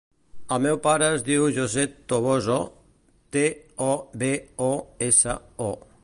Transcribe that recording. El meu pare es diu José Toboso: te, o, be, o, essa, o.